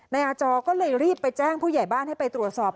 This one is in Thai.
นายอาจอก็เลยรีบไปแจ้งผู้ใหญ่บ้านให้ไปตรวจสอบ